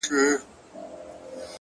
د ژوند سكونه نور دي دغه نامه بايلوله.!